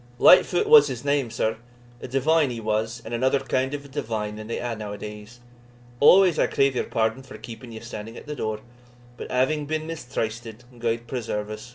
"Lightfoot was his name, sir; a divine he was, and another kind of a divine than they hae now adays. Always, I crave your pardon for keeping ye standing at the door, but having been mistrysted (gude preserve us!)